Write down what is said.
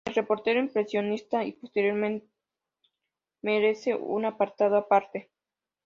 El repertorio impresionista y posterior merece un apartado aparte.